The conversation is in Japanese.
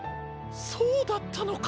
そうだったのか。